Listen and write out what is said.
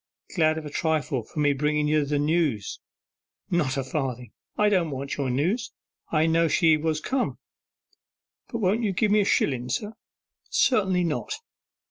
'Glad of a trifle for bringen ye the news.' 'Not a farthing! I didn't want your news, I knew she was come.' 'Won't you give me a shillen, sir?' 'Certainly not.